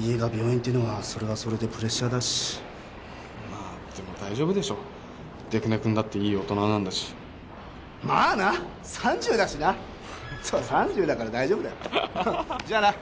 家が病院っていうのはそれはそれでプレッシャーだしでも大丈夫でしょ出久根君だっていい大人なんだしまあな３０だしな３０だから大丈夫だよじゃあな